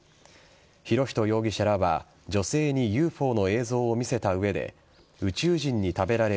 博仁容疑者らは女性にＵＦＯの映像を見せた上で宇宙人に食べられる。